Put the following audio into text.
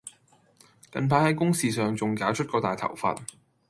近排喺公事上仲搞出個大頭佛